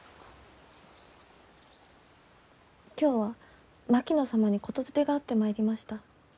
今日は槙野様に言伝があって参りました。